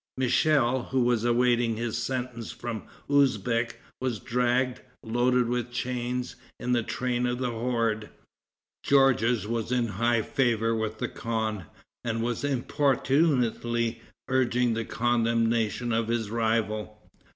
Michel, who was awaiting his sentence from Usbeck, was dragged, loaded with chains, in the train of the horde. Georges was in high favor with the khan, and was importunately urging the condemnation of his rival.